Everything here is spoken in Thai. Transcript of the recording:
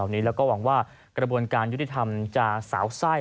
แล้วก็หวังว่ากระบวนการยุติธรรมจะสาวไส้